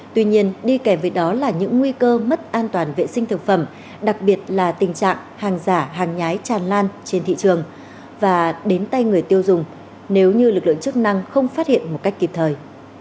tuy nhiên đi kèm với đó là những nguy cơ mất an toàn vệ sinh thực phẩm đặc biệt là tình trạng hàng giả hàng nhái tràn lan trên thị trường và đến tay người tiêu dùng nếu như lực lượng chức năng không phát hiện một cách kịp thời